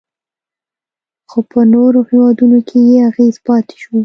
خو په نورو هیوادونو کې یې اغیز پاتې شو